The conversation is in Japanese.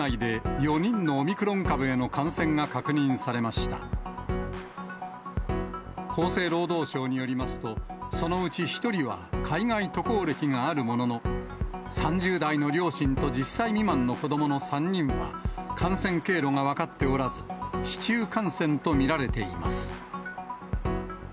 きょう、厚生労働省によりますと、そのうち１人は海外渡航歴があるものの、３０代の両親と１０歳未満の子どもの３人は、感染経路が分かっておらず、市中感染と見られています。